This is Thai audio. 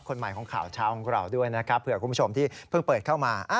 คนใหม่ของข่าวเช้าของเราด้วยนะครับเผื่อคุณผู้ชมที่เพิ่งเปิดเข้ามา